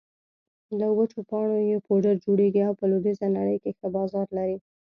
له وچو پاڼو يې پوډر جوړېږي او په لویدېزه نړۍ کې ښه بازار لري